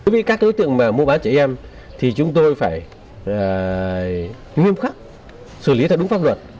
với các tư tượng mua bán trẻ em chúng tôi phải nghiêm khắc xử lý theo đúng pháp luật